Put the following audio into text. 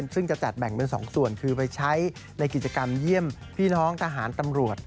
ซึ่งจะจัดแบ่งเป็น๒ส่วนคือไปใช้ในกิจกรรมเยี่ยมพี่น้องทหารตำรวจ